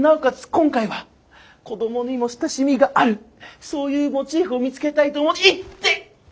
今回は子どもにも親しみがあるそういうモチーフを見つけたいとイッテ！